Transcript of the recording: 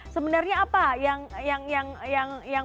sebenarnya apa yang